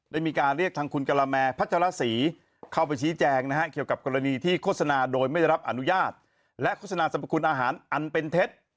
ได้มีการเรียกทางคุณกะละแมพัชรศรีเข้าไปชี้แจงนะฮะเกี่ยวกับกรณีที่โฆษณาโดยไม่ได้รับอนุญาตและโฆษณาสรรพคุณอาหารอันเป็นเท็จ